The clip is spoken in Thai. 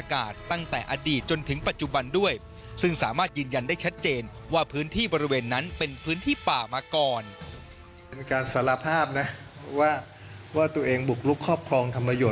อากาศตั้งแต่อดีตจนถึงปัจจุบันด้วยซึ่งสามารถยืนยันได้ชัดเจนว่าพื้นที่บริเวณนั้นเป็นพื้นที่ป่ามาก่อน